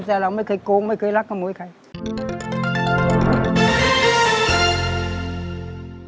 แต่เราไม่เคยโกงไม่เคยรักขโมยใคร